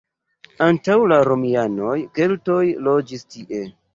Antaŭ la romianoj keltoj loĝis tie.